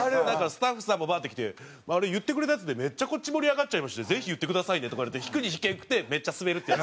スタッフさんもバーッて来て「言ってくれたやつでめっちゃこっち盛り上がっちゃいましてぜひ言ってくださいね」とか言われて引くに引けんくてめっちゃスベるっていう。